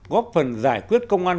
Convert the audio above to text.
góp phần giải quyết công an